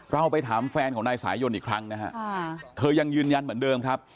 เราไปถามแฟนของนายสายยนอีกครั้งนะฮะเธอยังยืนยันเหมือนเดิมครับ